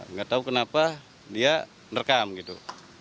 nggak tahu kenapa dia merekam gitu